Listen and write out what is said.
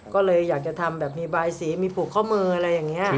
ก็เลยอยากจะทำแบบมีบายสีมีผูกข้อมืออะไรอย่างนี้